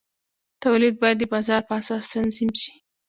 تولید باید د بازار په اساس تنظیم شي.